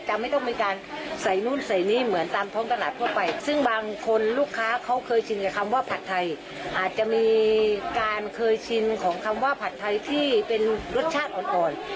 ไม่ต้องมีการใส่นู่นใส่นี่เหมือนตามท้องตลาดทั่วไปซึ่งบางคนลูกค้าเขาเคยชินกับคำว่าผัดไทยอาจจะมีการเคยชินของคำว่าผัดไทยที่เป็นรสชาติอ่อนอ่อน